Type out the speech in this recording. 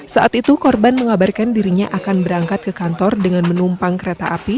saat itu korban mengabarkan dirinya akan berangkat ke kantor dengan menumpang kereta api